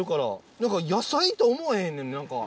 何か野菜と思えへんねん何か。